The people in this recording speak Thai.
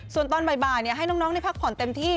ส่วนตอนบ่ายให้น้องได้พักผ่อนเต็มที่